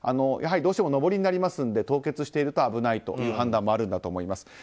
やはりどうしても上りになるので凍結していると危ないという判断もあるんだと思います。